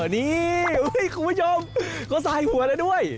นี่คุณผู้ชมก็สายหัวแล้วด้วย